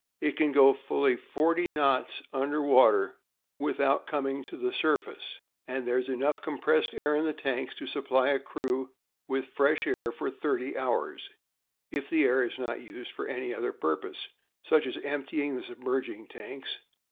It can go fully forty knots under water without coming to the surface, and there is enough compressed air in the tanks to supply a crew with fresh air for thirty hours, if the air is not used for any other purpose, such as emptying the submerging tanks.